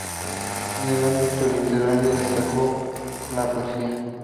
En el ámbito literario destacó en la poesía.